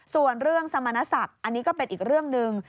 ส่วนเรื่องสมณศักดิ์อันนี้ก็เป็นอีกเรื่องหนึ่ง